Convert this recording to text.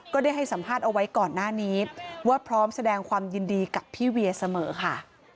ได้ให้สัมภาษณ์เอาไว้ก่อนหน้านี้ว่าพร้อมแสดงความยินดีกับพี่เวียเสมอค่ะ